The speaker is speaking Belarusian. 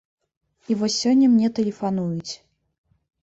І вось сёння мне тэлефануюць.